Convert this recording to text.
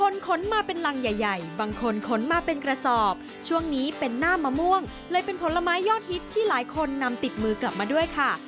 เลยเป็นผลไม้ยอดฮิตที่หลายคนนำติดมือกลับมาด้วยค่ะ